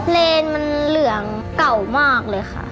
เลนมันเหลืองเก่ามากเลยค่ะ